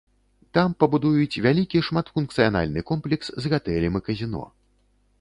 Там пабудуюць вялікі шматфункцыянальны комплекс з гатэлем і казіно.